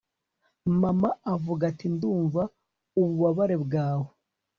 mama avuga ati ndumva ububabare bwawe